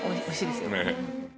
おいしいですよ。